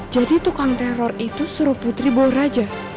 jadi tukang teror itu suruh putri bawa raja